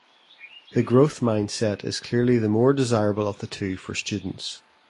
The growth mindset is clearly the more desirable of the two for students.